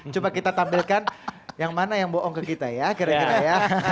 coba kita tampilkan yang mana yang bohong ke kita ya kira kira ya